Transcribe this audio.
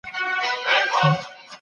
ایا اسلام د انسان حقونو ته پاملرنه کوي؟